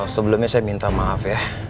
sebelumnya saya minta maaf